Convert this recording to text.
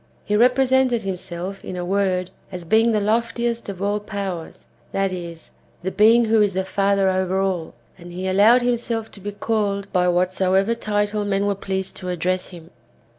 He represented himself, in a word, as being the loftiest of all powers, that is, tlie Being who is the Father over all, and he allowed himself to be called by whatsoever title men were pleased to address him.